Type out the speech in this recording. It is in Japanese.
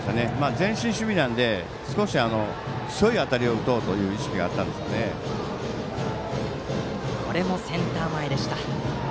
前進守備なので少し強い当たりを打とうというこれもセンター前でした。